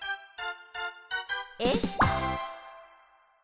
えっ？